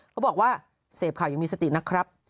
เขาบอกว่าเสพข่าวยังมีสตินะครับ